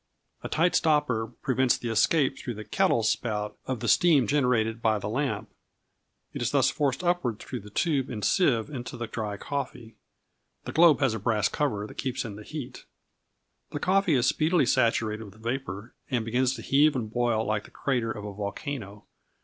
A tight stopper prevents the escape through the kettle spout of the steam generated by the lamp. It is thus forced upward through the tube and sieve into the dry coffee. The globe has a brass cover that keeps in the heat. The coffee is speedily saturated with vapor, and begins to heave and boil like the crater of a volcano.